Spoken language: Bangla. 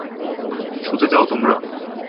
শুতে যাও তোমরা।